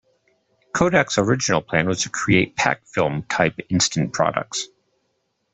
Kodak's original plan was to create packfilm type instant products.